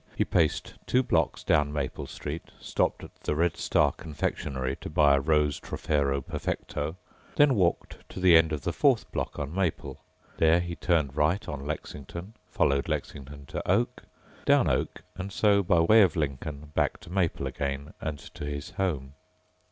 He paced two blocks down Maple Street, stopped at the Red Star confectionery to buy a Rose Trofero perfecto, then walked to the end of the fourth block on Maple. There he turned right on Lexington, followed Lexington to Oak, down Oak and so by way of Lincoln back to Maple again and to his home.